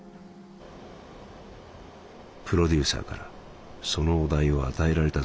「プロデューサーからそのお題を与えられたときは困った。